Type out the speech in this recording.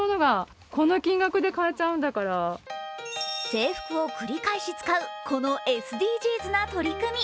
制服を繰り返し使う、このＳＤＧｓな取り組み。